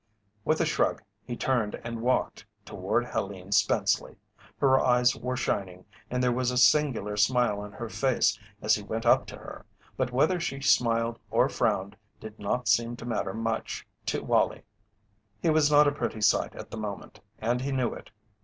With a shrug he turned and walked toward Helene Spenceley. Her eyes were shining, and there was a singular smile on her face as he went up to her, but whether she smiled or frowned did not seem to matter much to Wallie. He was not a pretty sight at the moment, and he knew it.